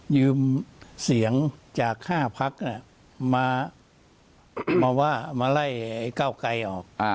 ยืมเสียงจากฆ่าภักดิ์มาไล่เก้าไกลออก